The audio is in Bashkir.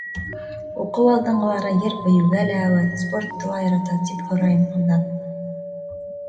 Уҡыу алдынғылары йыр-бейеүгә лә әүәҫ, спортты ла ярата... — тип һорайым ҡыҙҙан.